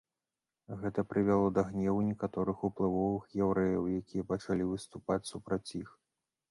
Гэта прывяло да гневу некаторых уплывовых яўрэяў, якія пачалі выступаць супраць іх.